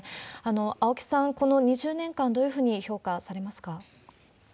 青木さん、この２０年間、どういうふうに評価されますか。